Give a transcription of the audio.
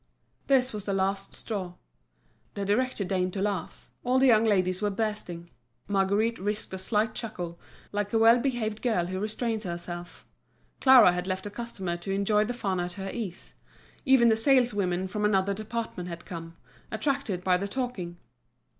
This was the last straw. The director deigned to laugh, all the young ladies were bursting. Marguerite risked a slight chuckle, like a well behaved girl who restrains herself; Clara had left a customer to enjoy the fun at her ease; even the saleswomen from another department had come, attracted by the talking.